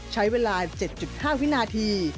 ใช้เวลา๗๕วินาที